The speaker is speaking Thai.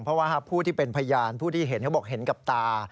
เพราะว่าผู้ที่เป็นพยานผู้ที่เห็นเขาบอกเห็นกับตา